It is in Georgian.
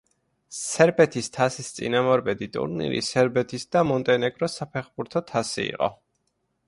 სერბეთის თასის წინამორბედი ტურნირი სერბეთის და მონტენეგროს საფეხბურთო თასი იყო.